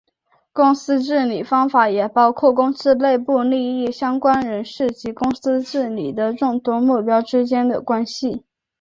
公司治理方法也包括公司内部利益相关人士及公司治理的众多目标之间的关系。